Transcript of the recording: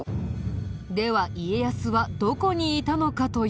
では家康はどこにいたのかというと。